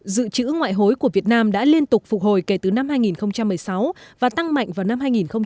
dự trữ ngoại hối của việt nam đã liên tục phục hồi kể từ năm hai nghìn một mươi sáu và tăng mạnh vào năm hai nghìn một mươi bảy